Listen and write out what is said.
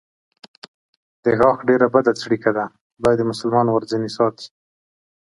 د غاښ ډېره بده څړیکه ده، خدای دې مسلمان ورځنې ساتي.